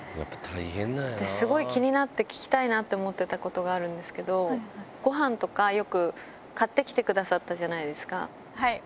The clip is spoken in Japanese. すごい気になって、聞きたいなと思ってたことがあるんですけど、ごはんとかよく買ってきてくださったじゃないですか。